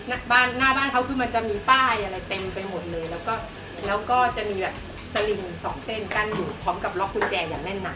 หน้าบ้านหน้าบ้านเขาคือมันจะมีป้ายอะไรเต็มไปหมดเลยแล้วก็จะมีแบบสลิมสองเส้นกั้นอยู่พร้อมกับล็อกกุญแจอย่างแน่นหนัก